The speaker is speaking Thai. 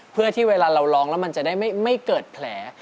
เพื่อที่เวลาเราร้องแล้วมันจะได้ไม่เกิดแผล